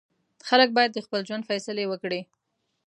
خلک باید د خپل ژوند فیصلې وکړي.